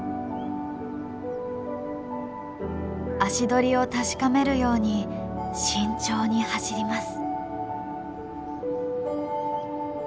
足取りを確かめるように慎重に走ります。